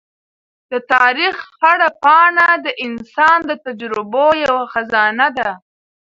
د تاریخ هره پاڼه د انسان د تجربو یوه خزانه ده.